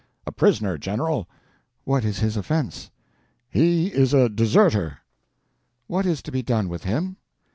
"A prisoner, General." "What is his offense?" "He is a deserter." "What is to be done with him?"